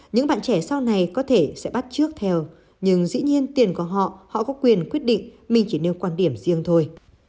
những bạn trẻ sau này có thể sẽ bắt trước theo nhưng dĩ nhiên tiền của họ họ có quyền quyết định mình chỉ nêu quan điểm riêng thôi